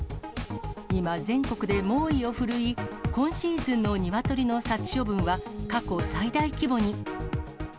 今、全国で猛威を振るい、今シーズンのニワトリの殺処分は過去最大規模に。